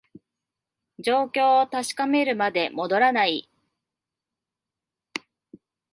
状況を確かめるまで戻らない